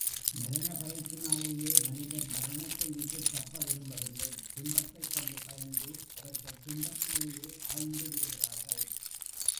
மரண பயத்தினாலேயே மனிதர் மரணத்தை விட்டுத் தப்ப விரும்பவில்லை துன்பத்தைக் கண்டு பயந்து, அவர்கள் துன்பத்திலேயே ஆழ்ந்துவிடுகிறார்கள்.